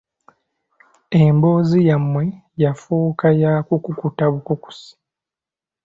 Emboozi yammwe yafuuka ya kukukuta bukukusi.